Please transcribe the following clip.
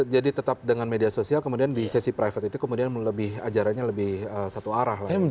jadi tetap dengan media sosial kemudian di sesi private itu kemudian ajarannya lebih satu arah